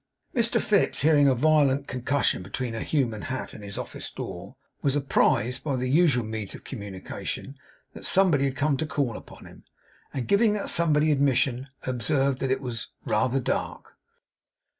Mr Fips, hearing a violent concussion between a human hat and his office door, was apprised, by the usual means of communication, that somebody had come to call upon him, and giving that somebody admission, observed that it was 'rather dark.